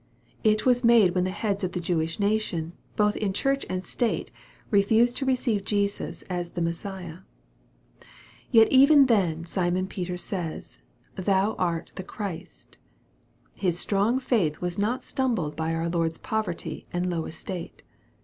It was made when the heads MAKE, CHAP. VIII. 165 of the Jewish nation, both in church and state, refused to receive Jesus as the Messiah. Yet even then Simon Peter says, " Thou art the Christ." His strong faith was not stumbled by our Lord's poverty and low estate.